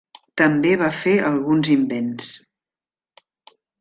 També va fer alguns invents.